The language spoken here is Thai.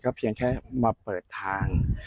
เพียงแค่มาเปิดทาง